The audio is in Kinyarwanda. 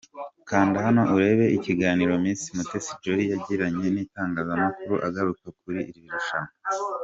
Kanda hano urebe ikiganiro Miss Mutesi Jolly yagiranye n'itangazamakuru agaruka kuri iri rushanwa.